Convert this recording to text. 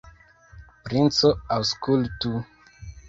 Princo, aŭskultu!